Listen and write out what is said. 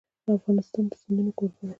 افغانستان د سیندونه کوربه دی.